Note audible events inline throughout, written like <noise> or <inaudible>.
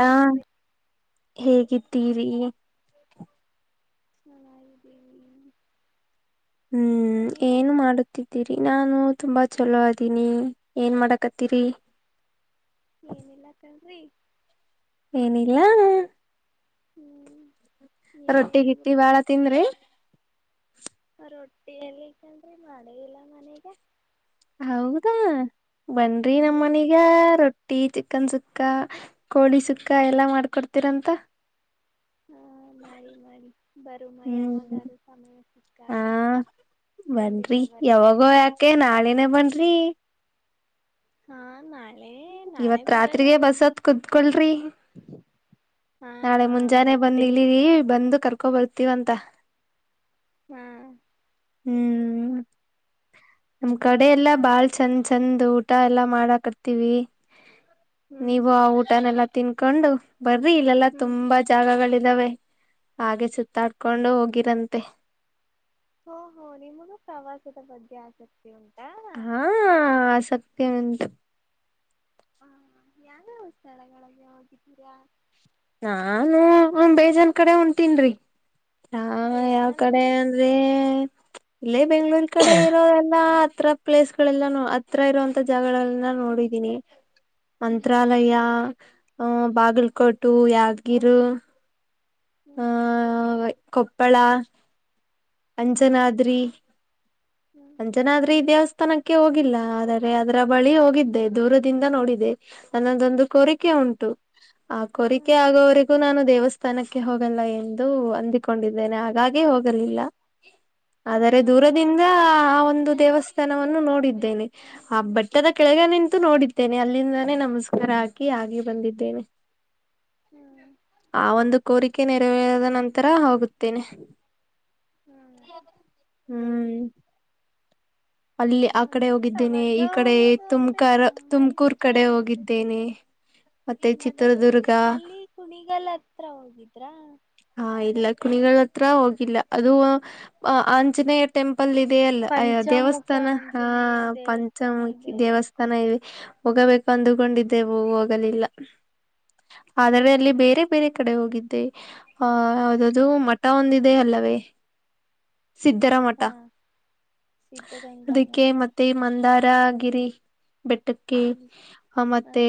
ಹಾ ನಮಸ್ತೆ ಹೇಗಿದ್ದೀರಿ. ಹ್ಮ ಹ್ಮ್ ನೀವು ಏನು ಮಾಡು ಕತ್ತಿದ್ದೀರಿ ನಾನು ತುಂಬಾ ಚಲೋ ಆದೀನಿ ಏನ್ ಮಾಡಕತ್ತೀರಿ ಏನಿಲ್ಲಕಣ್ರೀ. ಏನಿಲ್ಲ. ಹ್ಮ್ ನೀವೇ ರೊಟ್ಟಿ ಗಿಟ್ಟಿ ಹೇಳ್ಬೇಕು ಬಾಳ ತಿಂದ್ರಿ. ರೊಟ್ಟಿಲ್ಲಿಗಂದ್ರೆ ಮಾಡ ಇಲ್ಲ ಮನೆಗೆ. ಹೌದಾ ಬನ್ರೀ ನಮ್ಮ ಹ್ಮ್ ಮನಿಗೆ ರೊಟ್ಟಿ. ಟೀ ಚಿಕನ್ ಸುಕ್ಕಾ ಕೋಳಿ ಸುಕ್ಕಾ ಎಲ್ಲಾ ಮಾಡ್ಕೊಡ್ತೀರಂತ. ಹಾ ಮಾಡಿ ಮಾಡಿ ಬರುಮ ಹ್ಮ್ ಯಾವಾಗಾದೂ ಸಮಯ ಹಾ ಸಿಕ್ಕಾಗ ಖಂಡಿತ ಬರುತ್ತೇನೆ. ನಾಳೆನೆ ಬನ್ರಿ. ಹಾ ನಾ. ಇವತ್ ರಾತ್ರಿಗೆ ಬಸ್ ಹತ್ಕೊಂಡು ಕುೂತ್ಕೊಳ್ರಿ. <inaudible> ನಾಳೆ ಮುಂಜಾನೆ ಬಂದ ಬರ್ತೀನಿ ಇಳಿರಿ ಬಂದು ಕರ್ಕೊಬರ್ತೀವಂತ ಹಾ ಹ್ಮ್. ನಮ್ ಕಡೆ ಎಲ್ಲಾ ಬಾಳ್ ಚೆಂದ್ ಚಂದ್ ಊಟ ಎಲ್ಲಾ ಮಾಡಕತೀವಿ. ಹ್ಮ್ ನೀವು ಆ ಊಟನೆೆಲ್ಲಾ ತಿನ್ಕೊಂಡು ಬರ್ರಿ ಇಲ್ಲೆಲ್ಲ ಹ್ಮ್ ತುಂಬಾ ಜಾಗಗಳಿದಾವೆ. ಹಾಗೆ ಸುತ್ತಾಡ್ಕೊಂಡು ಹೋಗಿರಂತೆ. ಓಹೋ ನಿಮಗೂ ಪ್ರವಾಸದ ಬಗ್ಗೆ ಆಸಕ್ತಿ ಉಂಟಾ. ಹಾ ಹ ಆಸಕ್ತಿ ಉಂಟು. ಹಾ ಯಾವ್ಯಾವ ಸ್ಥಳಗಳನ್ನ ಹೋಗಿದ್ದೀರಾ. ನಾನು ಬೇಜನ್ ಕಡೆ ಹೊಂಟೀನಿರೀ ಯಾವ ಬೇಜಾನ್ ಕಡೆ. ಅಂದ್ರೆ ಇಲ್ಲೇ ಬೆಂಗ್ಗಳೂರ್ ಕಡೆ ಇರೋ ಎಲ್ಲ ಹತ್ರ. ಪ್ಲೇಸ್ಗಳೆಲ್ಲ ಹತ್ರ ಇರುವಂತ ಜಾಗಗಳಲ್ಲ ನೋಡಿದೀನಿ ಹ್ಮ್ ಮಂತ್ರಾಲಯ. ಹಾ ಬಾಗಲಕೋಟ್ ಯಾದಾಗಿರ್ ಹ್ಮ್ ಕೊಪ್ಪಳ ಹ್ಮ್ ಅಂಜನಾದ್ರಿ. ಹ್ಮ್ ಅಂಜನಾದ್ರೆ ಈ ದೇವಸ್ಥಾನಕ್ಕೆ ಹೋಗಿಲ್ಲ ಆದರೆ ಅದ್ರ ಬಳಿ ಹೋಗಿದ್ದೆ ದೂರದಿಂದ ನೋಡಿದ್ದೆ. ಅನ್ನೊದೊಂದು ಕೊರಿಕೆ ಉಂಟು ಆ ಹ್ಮ್ ಕೋರಿಕೆ ಆಗೋವರಿಗು. ನಾನು ದೇವಸ್ಥಾನಕ್ಕೆ ಹೋಗಲ್ಲ ಎಂದು ಅಂದಿಕೊಂಡಿದ್ದೇನೆ ಹಾಗಾಗಿ ಹೋಗಲಿಲ್ಲ. ಹಾ ಆದರೆ ಹಾ ಹಾ ದೂರದಿಂದ ಆ ಒಂದು ದೇವಸ್ಥಾನವನ್ನು ನೋಡಿದ್ದೇನೆ. ಆ ಬೆಟ್ಟದ ಕೆಳಗ ನಿಂತು ನೋಡಿದ್ದೇನೆ ಅಲ್ಲಿಂದಾನೇ ನಮಸ್ಕಾರ ಹಾಕಿ ಹಾಗೆ ಬಂದಿದ್ದೇನೆ. ಹ್ಮ್ ಆ ಒಂದು ಕೋರಿಕೆ ನೆರವೇರಿದ ನಂತರ ಹೋಗುತ್ತೇನೆ. ಹ್ಮ ಹ್ಮ್ ಅಲ್ಲಿ ಆ ಕಡೆ ಆದ್ರೂ ಹೋಗಿದ್ದೇನೆ ಪ್ರವಾಸ ಈ ಕಡೆ ಹೋಗೋದು ಅಂದ್ರೆ ತುಮ್ಕ ತುಂಬಾ ತುಮ್ಕೂರ್ ಇಷ್ಟ ಕಡೆ ಆಗುತ್ತೆ ಹೋಗಿದ್ದೇನೆ. ಮತ್ತೆ ಹ್ಮ್ ಚಿತ್ರದುರ್ಗ ಅಲ್ಲಿ ಕುಣಿಗಲ್ ಹತ್ರ ಹೋಗಿದ್ರ. ಹಾ ಇಲ್ಲ ಕುಣಿಗಲ್ ಹತ್ರ ಹೋಗಿಲ್ಲ ಅದು ಆ ಅಂಜನೇಯ್ ಟೆಂಪಲ್ ಇದೆ ಅಲ್ಲ ಅಯ್ ಪಂಚಮುಖ ದೇವಸ್ಥಾನ ಹ ಆಂಜನೇಯ ದೇವಸ್ಥಾನ ಪಂಚಮುಖಿ ಇದೆ ಅಲ್ಲ ದೇವಸ್ ತನಯ್ ಹೋಗಬೇಕು ಅಂದಕೊಂಡಿದ್ದೆವು ಹೋಗಲಿಲ್ಲ. ಹಾ ಆದರೆ ಅಲ್ಲಿ ಬೇರೆ ಬೇರೆ ಕಡೆ ಹೋಗಿದ್ದೆ ಆ ಯಾವ್ದದು ಮಠ ಒಂದಿದೆ ಅಲ್ಲವೇ ಸಿದ್ದರ ಮಠ ಹಾ ಸಿದ್ಧಗಂಗಾ ಅದಕ್ಕೆ ಮಠ ಮ ತ್ತೆ ಮಂದಾರಗಿರಿ ಬೆಟ್ಟಕ್ಕೆ ಇಲ್ಲಿ ಆ ಹಾ ಮತ್ತೆ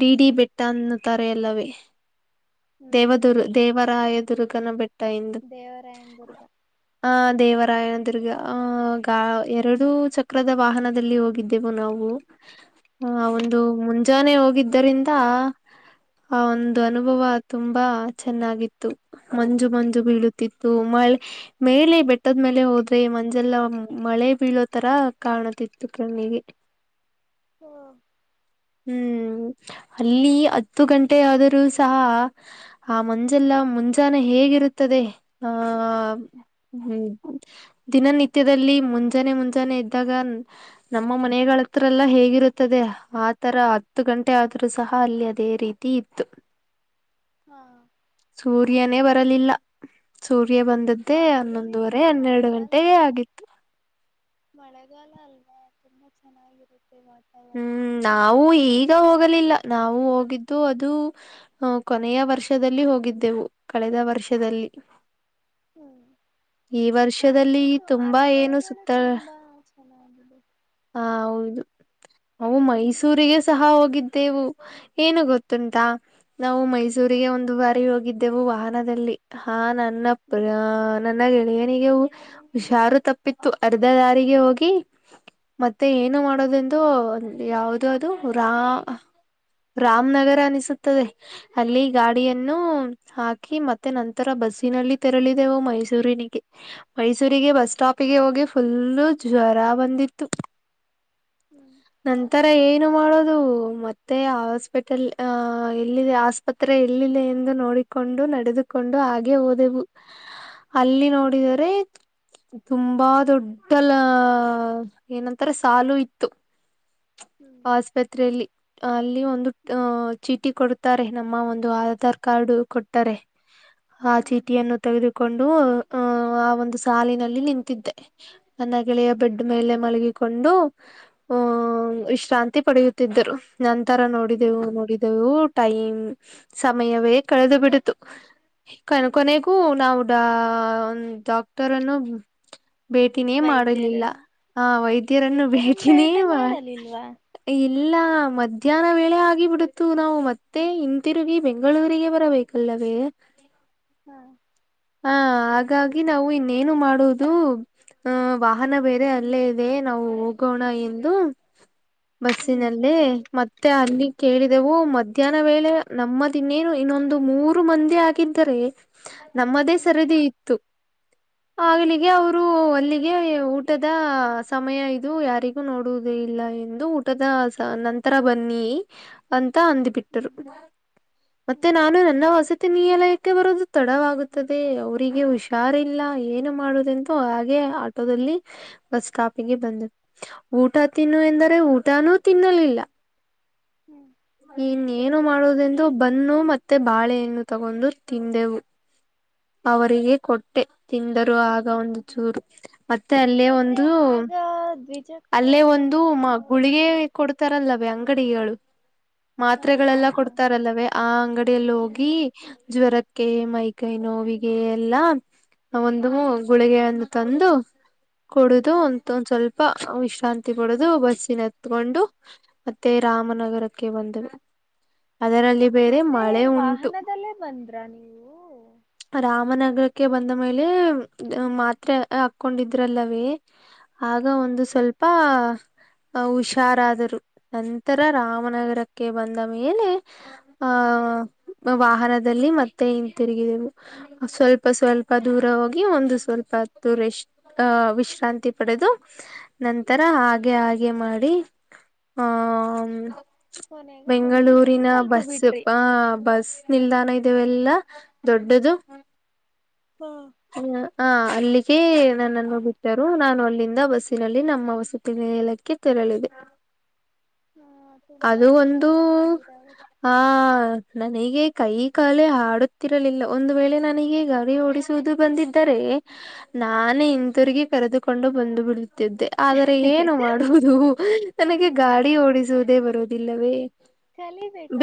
ಡಿಡಿ ಬೆಟ್ಟ ಅನ್ನುತ್ತಾರೆ ಅಲ್ಲವೇ ಹ್ಮ್ ಹ್ಮ್ ದೇವದುರ್ ದೇವರಾಯ ದುರ್ಗನ ಬೆಟ್ಟ ಎಂದು ದೇವರಾಯನ್ ದುರ್ಗ ಆ ದೇವರಾಯನ ದುರ್ಗ ಆಹ ಗ ಎರಡು ಚಕ್ರದ ವಾಹನದಲ್ಲಿ ಹೋಗಿದ್ದೆವು ನಾವು. <inaudible> ಹ ಒಂದು ಮುಂಜಾನೆ ಹೋಗಿದ್ದರಿಂದ ಆ ಒಂದು ಹ್ಮ್ ಅನುಭವ ಆ ತುಂಬಾ ಚೆನ್ನಾಗಿತ್ತು ಮಂಜು ಮಂಜು ಬೀಳುತ್ತಿತ್ತು ಮಳ್ ಮೇಲೆ ಬೆಟ್ಟದ್ ಮೇಲೆ ಹೋದ್ರೆ ಮಂಜೆಲ್ಲ ಮಳೆ ಬೀಳೋ ತರ ಕಾಣುತಿತ್ತು. ತು ಕಣ್ಣಿಗೆ ಹೊ ಹ್ಮ್ ಅಲ್ಲಿ ಹತ್ತು ಗಂಟೆ ಆದರೂ ಸಹ ಆ ಮಂಜೆಲ್ಲ ಮುಂಜಾನೆ ಹೇಗಿರುತ್ತದೆ ಆ ಹ್ಮ್ ದಿನನಿತ್ಯದಲ್ಲಿ ಮುಂಜಾನೆ ಮುಂಜಾನೆ ಇದ್ದಾಗ ನಮ್ಮ ಮನೆಗಳತ್ರ ಎಲ್ಲ ಹೇಗಿರುತ್ತದೆ ಆತರ ಹತ್ತು ಗಂಟೆ ಆದರೂ ಸಹ ಅಲ್ಲಿ ಅದೇ ರೀ ತೀ ಇತ್ತು. ಹಾ ಸೂರ್ಯನೇ ಬರಲಿಲ್ಲ ಸೂರ್ಯ ಬಂದುದ್ ಮತ್ತೆ ಆದ್ರೂ ಈಗ ಹನ್ನೊಂದುವರೆ ಹನ್ನೆರಡು ಮಳೆಗಾಲ ಗಂಟೆಗೆ ಅಲ್ ಆಗಿತ್ತು. ಮಳೆಗಾಲ ಅಲ್ವಾ ತುಂಬಾ ಚೆನ್ನಾಗಿರುತ್ತೆ ವಾ ಹ್ಮ್ ನಾವು ಈಗ ಹೋಗಲಿಲ್ಲ ನಾವು ಹೋಗಿದ್ದು ಅದು ಹ ಕೊನೆಯ ವರ್ಷದಲ್ಲಿ ಹೋಗಿದ್ದೆವು ಕಳೆದ ವರ್ಷದಲ್ಲಿ. ಹ್ಮ್ ಈ ವರ್ಷದಲ್ಲಿ ಆದ್ರುದ್ದು ತುಂಬಾ ಏನು ಅನುಭವಗಳು ತುಂಬಾ ಚೆನ್ನಾಗಿದೆ. ಹ ಹೌದು ಅವು ಮೈಸೂರಿಗೆ ಹ್ಮ್ ಸಹ ಹೋಗಿದ್ದೆವು. ಏನು ಗೊತ್ತುಂಟಾ ನಾವು ಮೈಸೂರಿಗೆ ಒಂದು ಬಾರಿ ಹೋಗಿದ್ದೆವು ವಾಹನದಲ್ಲಿ ಹಾ ನನ್ನಪಯ ನನ್ನ ಗೆಳೆಯನಿಗೆ ಹುಷಾರು ತಪ್ಪಿತ್ತು ಅರ್ಧ ದಾರಿಗೆ ಹೋಗಿ ಮತ್ತೆ ಏನು ಹ್ಮ್ ಮಾಡೋದೆ ಅಲ್ ಯಾವ್ದ್ ಯಾವ್ದು ರ ರಾಮನಗರ ಅನಿಸು ತದೆ ಅಲ್ಲಿ ಹ್ಮ್ ಗಾಡಿಯನ್ನು ಹಾಕಿ ಮತ್ತೆ ನಂತರ ಬಸ್ಸಿನಲ್ಲಿ ತೆರಳಿದೆವು ಮೈಸೂರಿನಿಗೆ ಮೈಸೂರಿಗೆ ಹ್ಮ್ ಹ್ಮ್ ಬಸ್ ಸ್ಟಾಪ್ ಪ್ಪಿಗೆ ಹೋಗಿ ಫುಲ್ಲು ಜ್ವರ ಬಂದಿತ್ತು. ಹ್ಮ್ ನಂತರ ಏನು ಮಾಡೋದು ಮತ್ತೆ ಹಾಸ್ಪೆಟಲ್ ಅ ಎಲ್ಲಿದೆ ಆಸ್ ಹತ್ರ ಎಲ್ಲಿಲ್ಲ ಎಂದು ನೋಡಿಕೊಂಡು ನಡೆದುಕೊಂಡು ಹಾಗೆ ಹೋದೆವು. <inaudible> <inaudible> ಅಲ್ಲಿ ನೋಡಿದರೆ ತುಂಬಾ ದೊಡ್ಡ ಲ ಏನಂತಾರೆ ಸಾಲು ಇತ್ತು. ಹ್ಮ್ ಆಸ್ಪತ್ರೆಯಲ್ಲಿ ಅಲ್ಲಿ ಒಂದು ಅ ಹ್ಮ್ ಚೀಟಿ ಕೊಡುತ್ತಾರೆ ನಮ್ಮ ಒಂದು ಆಧಾರ್ ಕಾರ್ಡ್ ಕೊಟ್ಟರೆ, ಆ ಹ್ಮ್ ಚೀಟಿಯನ್ನು ತೆಗೆದುಕೊಂಡು ಕೊಂಡು ಆ ಹ ಆ ಒಂದು ಸಾಲಿನಲ್ಲಿ ನಿಂತಿದ್ದೆ. ನನ್ನ ಗೆಳೆಯ ಹ್ಮ್ ಬೆಡ್ ಮೇಲೆ ಮಲಗಿಕೊಂಡು ಹ ವಿಶ್ರಾಂತಿ ಪಡೆಯುತ್ತಿದ್ದರು ನಂತರ ಹ್ಮ್ ನೋಡಿದೆವು ನೋಡಿದೆವು ಟೈಮ್ ಸಮಯವೇ ಕಳೆದು ಬಿಡುತು ಕೋನ್ ಹ್ಮ್ ಕೊನೆಗೂ ನಾವು <unintelligible> ಒಂದ್ ಡಾಕ್ಟರ್ನ್ನು ಭೇಟಿನೇ ಮಾಡಲಿಲ್ಲ ವೈದ್ಯರನ್ನು ಆ ವೈದ್ಯರನ್ನು ಭೇಟಿನೇ ಬೇಟೆ ಮಾಡ್ ಮಾಡಲಿಲ್ವಾ ಇಲ್ಲ ಮಧ್ಯಾಹ್ನ ವೇಳೆ ಆಗಿಬಿಡುತು ನಾವು ಮತ್ತೆ ಹಂತಿರುಗಿ ಬೆಂಗಳೂರಿಗೆ ಬರಬೇಕು. ಕಲ್ಲವೇ ಹಾ ಹಾ ಹಾಗಾಗಿ ನಾವು ಇನ್ನೇನು ಮಾಡುವುದು ಹ ವಾಹನ ಬೇರೆ ಅಲ್ಲೇ ಇದೆ ನಾವು ಹೋಗೋಣ ಎಂದು ಹ್ಮ್ ಬಸ್ಸಿನಲ್ಲಿ ಮತ್ತ ಮತ್ತೆ ಅಲ್ಲಿ ಕೇಳಿದೆವು ಮಧ್ಯಾಹ್ನ ವೇಳೆ ನಮ್ಮದ ಇನ್ನೇನು ಇನ್ನೊಂದು ಮೂರು ಮಂದಿ ಆಗಿದ್ದರೆ ನಮ್ಮದೇ ಹ್ಮ್ ಸರದಿ ಇತ್ತು ಹ್ಮ್ ಆಗಲಿಗೆ ಅವರು <unintelligible> ಅಲ್ಲಿಗೆ ಊಟದ ಸಮಯ ಇದು ಯಾರಿಗೂ ನೋಡುವುದ ಇಲ್ಲ ಎಂದು ಊಟದ ನಂತರ ಬನ್ನಿ ಅಂತ ಅಂದಬಿಟ್ಟರು ಹ್ಮ್ ಮತ್ತೆ ಹ್ಮ್ ನಾನು ನನ್ನ ವಸತಿ ನಿಲಯಕ್ಕೆ ಬರೋದು ತಡವಾಗುತ್ತದೆ ಅವರಿಗೆ ಹುಷಾರಿಲ್ಲ ಏನು ಮಾಡುದೆಂತ ಹಾಗೆ ಆಟೋದಲ್ಲಿ ಬಸ್ ಸ್ಟಾಪಿಗೆ ಬಂದು ಊಟ ತಿನ್ನು ಎಂದರೆ ಊಟಾನೂ ತಿನ್ನಲಿಲ್ಲ. ಹ್ಮ್ <unintelligible> ಏನು ಮಾಡೋದೆಂದು ಬನ್ನು ಮತ್ತೆ ಬಾಳೆೆಯನ್ನು ತಗೊಂಡು ತಿಂದೆವು. ಅವರಿಗೆ ಕೊಟ್ಟೆ ತಿಂದರು ಆಗ ಒಂದು ಚೂರು. ಮತ್ತೆ ಅಲ್ಲೇ ಮತ್ತೆ ಒಂದು ಆಗ ದ್ವಿಚಕ್ರ ಅಲ್ಲೇ ಒಂದು ವಾಹನ ಮ ಗುಳಿಗೆ ಓಡಿಸಲು ಕೊಡ್ತಾರಲ್ಲವೇ ಅಂಗಡಿಗಳು ಹಾ ಹ ಮಾತ್ರೆಗಳೆಲ್ಲ ಕೊಡ್ ಇತಾರಲ್ಲವೇ ಆ ಅಂಗಡಿಯಲ್ಲಿ ಹ ಹೋಗಿ ಜ್ವರಕ್ಕೆ ಮೈ ಕೈ ನೋವಿಗೆ ಎಲ್ಲಾ ಒಂದು ಗುಳಿಗೆಯೊಂದು ತಂದು ಕೊಡುದು ಹ ಒಂತ ಒಂದ ಸ್ವಲ್ಪ ವಿಶ್ರಾಂತಿ ಕೊಡುದು ಬಸ್ಸಿನ ಹತ್ಕೊಂಡು ಮತ್ತೆ ರಾಮನಗರಕ್ಕೆ ಬಂದೇವು ಅದರಲ್ಲಿ ಬೇರೆ ಮತ್ತೆ ಮಳೆ ಉಂಟು ವಾಹನದಲ್ಲೇ ಬಂದ್ರಾ ನೀವು ರಾಮನಗರಕ್ಕೆ ಬಂದ ಮೇಲೆ ಮಾತ್ರೆ ಹಾಕ್ಕೊಂಡಿದ್ರಲ್ಲವೇ ಆಗ ಹ ಒಂದು ಸ್ವಲ್ಪ ಹುಷಾರಾದರು. ನಂತರ ರಾಮನಗರ ಕೆ ಬಂದ ಮೇಲೆ ಆಹ್ ವಾಹನದಲ್ಲಿ ಮತ್ತೆ ಇ ತಿರುಗಿದೆವು ಸ್ವಲ್ಪ ಸ್ವಲ್ಪ ದೂರ ಹೋಗಿ ಒಂದು ಸ್ವಲ್ಪ ಹತ್ತು ರಷ್ಟ ಹ ವಿಶ್ರಾಂತಿ ಪಡೆದು ನಂತರ ಹಾಗೆ ಹಾಗೆ ಮಾಡಿ ಹ ಕೊನೆಗೂ ಬೆಂಗಳೂರು ಬೆಂಗಳೂರಿನ ತಲುಪ ಬಸ್ ಬಿಟ್ರಿ ಪ ಬಸ್ ನಿಲ್ದಾಣ ಇದವೆೆಲ್ಲಾ ದೊಡ್ಡದು ಹಾ <unintelligible> ಹ ಹ ಅಲ್ಲಿಗೆ ನನ್ನನ್ನು ಬಿಟ್ಟರು ನಾನು ಅಲ್ಲಿಂದ ಬಸ್ಸಿನಲ್ಲಿ ನಮ್ಮ ವಸತಿ ನಿಲಯಕ್ಕೆ ತೆರಳಿದೆ ಹಾ ತುಂಬಾ ಅದು ಒಂದು ಕಷ್ಟಪಟ್ಟಿದ್ದೀರಾ ಹಾ ನನೀಗೆ ಕೈ ಕಾಲೆ ಹಾಡು ತ್ತಿರಲಿಲ್ಲ ಒಂದು ವೇಳೆ ನನಗೆ ಗಾಡಿ ಓಡಿಸುವುದು ಬಂದಿದ್ದರೆ ನಾನೇ ಹಿಂತಿರುಗಿ ಕರೆದುಕೊಂಡು ಬಂದು ಬಿಡುತ್ತಿದ್ದೆ. ಆದರೆ ಏನು ಮಾಡುವುದು ನನಗೆ ಹ ಗಾಡಿ ಓಡಿಸುವುದೇ ಬರುದಿಲ್ಲವೇ.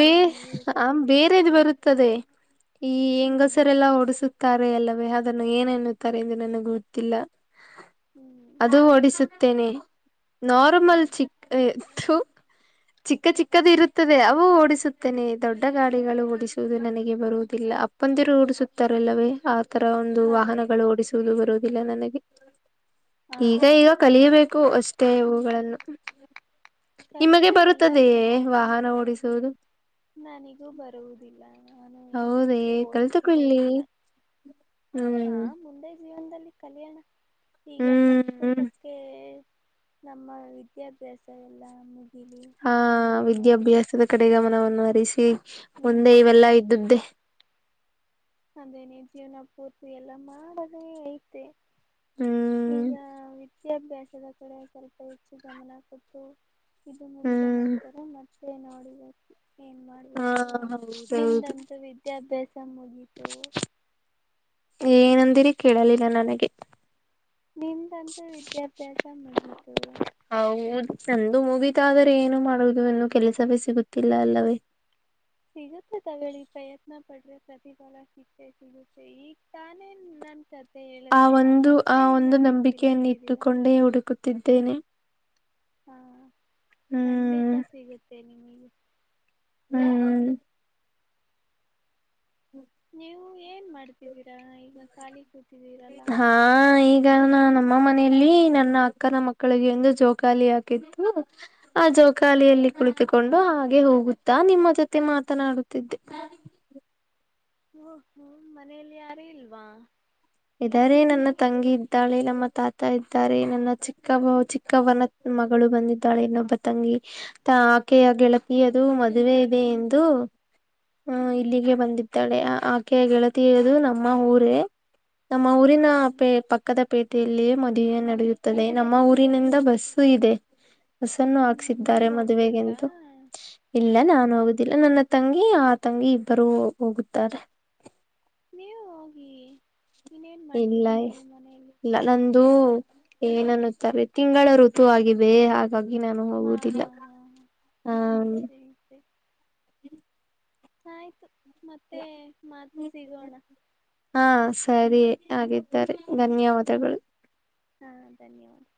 ಬೇ ನೀವು ಆ ಬೇರೆದು ಕಲಿಬೇಕಿತ್ತು ಬರುತ್ತದೆ. ಈ ಹ್ಮ್ ಹೆಂಗಸರೆಲ್ಲ ಓಡಿಸುತ್ ತ್ತಾರೆ ಅಲ್ಲವೇ ಅದನ್ನು ಏನೆನ್ನುತ್ತಾರೆ ಎಂದು ನನಗ್ ಗೊತ್ತಿಲ್ಲ. ಹ್ಮ್ ಅದು ಓಡಿಸುತ್ತೇನೆ ಹ್ಮ್ ನಾರ್ಮಲ್ ಚಿಕ್ ಏಯ್ ಥು ಚಿಕ್ಕ ಚಿಕ್ಕದು ಇರುತ್ತದೆ ಅವು ಓಡಿಸುತ್ತೇನೆ ದೊಡ್ಡ ಗಾಡಿಗಳು ಓಡಿಸುವುದು ನನಗೆ ಬರು ಅಪ್ಪಂದಿರು ಓಡಿಸುತ್ತಾರಲ್ಲವೇ ಆ ತರ ಒಂದು ಹಾ ವಾಹನಗಳು ಓಡಿಸು <unintelligible> ಬರುವುದಿಲ್ಲ ನನಗೆ ಹಾ ಈಗ ಈಗ ಕಲಿಯಬೇಕು ಅಷ್ ತ್ತೆ ಇವುಗಳನ್ನು ನಿಮಗೆ ಕಲೀರಿ ಎಲ್ಲಾ ಬರುತ್ತದೆಯೇ ವಾಹನ ಓಡಿಸುವುದು. ನನಿಗೂ ಬರುವುದಿಲ್ಲ ನಾನು ಯಾವತ್ತೂ ಓಡಿಸಲೇ ಇಲ್ಲ. ಹ್ ಹಾ ಮುಂದೆ ಜೀವನದಲ್ಲಿ ಕಲಿಯೋಣ ಈಗ ಹ್ಮ್ ಹ್ಮ್ ಪ್ರಸ್ತುತಕ್ಕೆ ನಮ್ಮ ವಿದ್ಯಾಭ್ಯಾಸ ಎಲ್ಲ ಮುಗಿಲಿ ಹಾ ಆಮೇಲೆ ನೋಡು ವಿದ್ಯಾಭ್ಯಾಸದ ಕಡೆ ಗಮನವನ್ನು ಹರಿಸಿ ಮುಂದೆ ಹ್ಮ್ ಇವೆಲ್ಲಾ ಇದ್ದಿದ್ದೆ. ಅದೇನೆ ಜೀವನ ಪೂರ್ತಿ ಎಲ್ಲ ಮಾಡದೇ ಐತೆ. ಹ್ಮ್ ಈಗ ವಿದ್ಯಾಭ್ಯಾಸದ ಕಡೆ ಸ್ವಲ್ಪ ಹೆಚ್ಚು ಗಮನ ಕೊಟ್ಟು ಇದು ಮುಗಿದ ಹ್ಮ್ ನಂತರ ಮತ್ತೆ ನೋಡ್ಬೇಕು ಏನ್ ಮಾಡ್ ಹಾ ಬೇಕು ಹೌದೌದು ನಿಮ್ದಂತೂ ವಿದ್ಯಾಭ್ಯಾಸ ಮುಗಿತು. ಏನಂದಿರಿ ಕೇಳಲಿಲ್ಲ ನನಗೆ ನಿಮ್ದಂತೂ ವಿದ್ಯಾಭ್ಯಾಸ ಮುಗಿತು. ಹೌದ್ ನಂದು ಮುಗಿತಾದರೆ ಏನು ಮಾಡುವುದು ಇನ್ನು ಕೆಲಸವೇ ಸಿಗುತ್ತಿಲ್ಲ ಅಲ್ಲವೇ. ಸಿಗುತ್ತೆ ತಗೊಳ್ಳಿ ಪ್ರಯತ್ನ ಪಟ್ರೆ ಪ್ರತಿಫಲ ಸಿಕ್ಕೇ ಸಿಗುತ್ತೆ ಈಗ್ ತಾನೇ ನನ್ ಕ ಆ ಒಂದು ಆ ಒಂದು ನಂಬಿಕೆಯನ್ನ ಅಂತಿದ್ದೀರ ಇಟ್ಟುಕೊಂಡೇ ಹುಡುಕುತ್ತಿದ್ದೇನೆ. ಹಾ ಹ್ಮ್ ಖಂಡಿತ ಸಿಗುತ್ತೆ ನಿಮಗೆ. ಹ್ಮ್ ಹ್ಮ ನೀವು ಏನ್ ಮಾಡ್ತಿದ್ದೀರಾ ಈಗ ಖಾಲಿ ಕೂತಿದ್ದೀರಲ್ಲ. ಹ ಈಗ ನಾ ನಮ್ಮ ಮನೆಯಲ್ಲಿ ನನ್ನ ಅಕ್ಕನ ಮಕ್ಕಳಿಗೆ ಒಂದು ಜೋಕಾಲಿ ಹಾಕಿತ್ ಹ್ಮ ಆ ಜೊಕಾಲಿಯಲ್ಲಿ ಕುಳಿ ತಿಕೊಂಡು ಹಾಗೆ ಹೋಗುತ್ತಾ ನಿಮ್ಮ ಜೊತೆ ಮಾತನಾಡುತ್ತಿದ್ದೆ. ಓ ಹೊ ಮನೆಯಲ್ಲಿ ಯಾರು ಇಲ್ವ. ಇದಾರೆ ನನ್ನ ತಂಗಿ ಇದ್ದಾಳೆ ನಮ್ಮ ತಾತ ಇದ್ದಾರೆ ನನ್ನ ಚಿಕ್ಕ ಚಿಕ್ಕಮ್ಮ ಚಿಕ್ಕವ್ವನ ಮಗಳು ಬಂದಿದ್ದಾಳೆ ಇನ್ನೊಬ್ಬ ತಂಗಿ. ಆಕೆಯ ಗೆಳತಿಯದು ಮದುವೆ ಇದೆ ಎಂದು ಹ ಹ್ಮ್ ಇಲ್ಲಿಗೆ ಬಂದಿದ್ದಾಳೆ ಆಕೆ ಗೆಳತಿಯದು ನಮ್ಮ ಊರೇ ನಮ್ಮ ಊರಿನ ಹ್ಮ್ ಪೇ ಪಕ್ಕದ ಪೇ ಟೆಯಲ್ಲಿಯೇ ಮದುವೆ ನಡೆಯುತ್ತದೆ ನಮ್ಮ ಊರಿನಿಂದ ಬಸ್ಸು ಇದೆ. ಬಸನ್ನು ಹ್ಮ್ ಹಾಕ್ಸಿದ್ದಾರೆ ನೀವ್ ಹೋಗ್ಬೇಕಾ ಮದುವೆಗೆಂದು. ಇಲ್ಲ ನಾನು ಹೋಗುದಿಲ್ಲ ನನ್ನ ತಂಗಿ ಆ ತಂಗಿ ಇಬ್ಬರು ಹೊ ಹೋಗುತ್ತಾರೆ. ನೀವು ಹೋಗೀ ಇನ್ನೇನ್ ಮಾಡ್ತೀರಾ ನೀವು ಮನೆಯಲ್ಲಿದ್ದು. ಅದೂ ಏನ್ನನ್ನುತ್ತಾರೆ ತಿಂಗಳ ಋತು ಆಗಿದೆ ಅ ಗಾಗಿ ನಾನು ಹಾ ಹೋಗುದಿಲ್ಲ ಹಾ ಹಾ ಹಾ ಹಾಂ. <unintelligible> ಆಯ್ತು ಮತ್ತೆ ಮತ್ ಸಿಗೋಣ. ಹಾಂ ಸರಿ ಆಗಿದ್ದರೆ ಧನ್ಯವಾದಗಳು. ಹಾಂ ಧನ್ಯವಾದ್